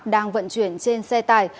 đang vận chuyển trên xe tải